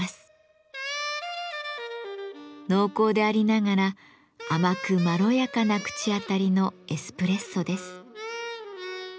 濃厚でありながら甘くまろやかな口当たりのエスプレッソです。